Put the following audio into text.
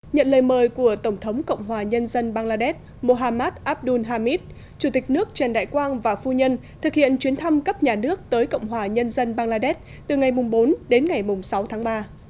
nhận lời mời của tổng thống cộng hòa nhân dân bangladesh mohammad abdul hamid chủ tịch nước trần đại quang và phu nhân thực hiện chuyến thăm cấp nhà nước tới cộng hòa nhân dân bangladesh từ ngày bốn đến ngày sáu tháng ba